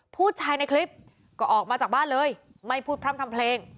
ผู้ชายในคลิปก็ออกมาจากบ้านเลยไม่พูดพร่ำทำเพลง